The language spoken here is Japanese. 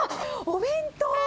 お弁当！